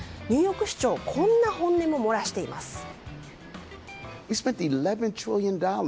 ニューヨーク市長こんな本音も漏らしています。